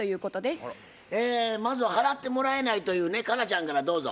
まずは払ってもらえないというね佳奈ちゃんからどうぞ。